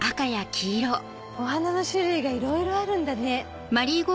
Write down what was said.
お花の種類がいろいろあるんだね。